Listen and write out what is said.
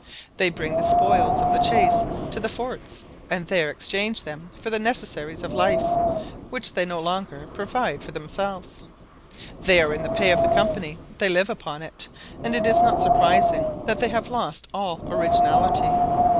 They bring the spoils of the chase to the forts, and there exchange them for the necessaries of life, which they no longer provide for themselves. They are in the pay of the Company, they live upon it, and it is not surprising that they have lost all originality.